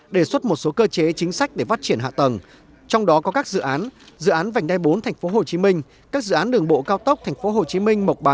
đề xuất một số cơ chế chính sách để phát triển hạ tầng trong đó có các dự án dự án vành đai bốn tp hcm